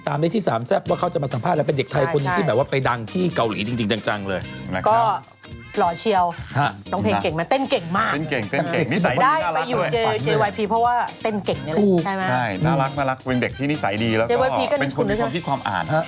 คนในบ้านนี้แทนที่จะทำปัดกวาด